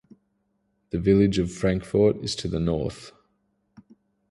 The village of Frankfort is to the north.